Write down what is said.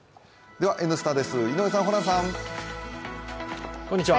では「Ｎスタ」です井上さん、ホランさん。